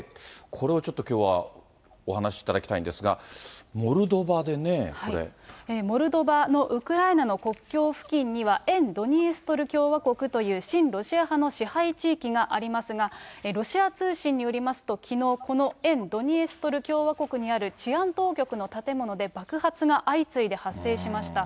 これをちょっときょうはお話しいただきたいんですが、モルドバでモルドバのウクライナの国境付近には、沿ドニエストル共和国という親ロシア派の支配地域がありますが、ロシア通信によりますと、きのう、この沿ドニエストル共和国にある治安当局の建物で爆発が相次いで発生しました。